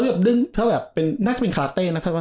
แบบดึงถ้าแบบน่าจะเป็นคาเต้นะ